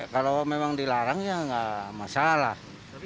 kalau memang dilarang ya nggak masalah